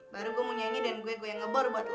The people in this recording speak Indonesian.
baru gue mau nyanyi dan gue goyang ngebor buat lo